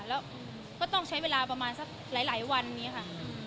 แล้วก็ต้องใช้เวลาประมาณสักหลายวันนี้ค่ะ